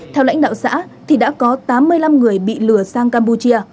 theo lãnh đạo xã thì đã có tám mươi năm người bị lừa sang campuchia